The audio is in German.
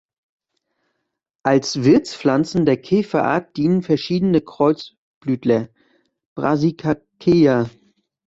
Als Wirtspflanzen der Käferart dienen verschiedene Kreuzblütler (Brassicaceae).